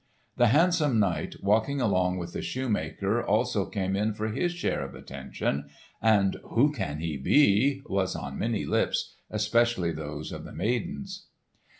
The handsome knight walking along with the shoemaker also came in for his share of attention, and "Who can he be?" was on many lips, especially those of the maidens.